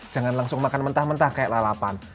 jangan langsung makan mentah mentah kayak lalapan